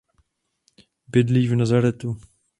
Bydlí v Nazaretu.